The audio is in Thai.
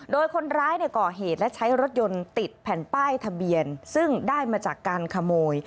โดยคนร้ายก่อเหตุและใช้รถยนต์ติดแผ่นป้ายทะเบียนซึ่งได้มาจากการขโมย